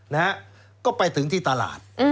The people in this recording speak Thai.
นะฮะก็ไปถึงที่ตลาด